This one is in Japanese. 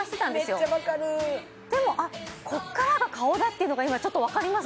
メッチャ分かるでもあっここからが顔だっていうのが今ちょっと分かります